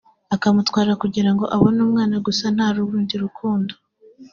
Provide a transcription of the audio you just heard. akamutwara kugira ngo abone umwana gusa nta rundi rukundo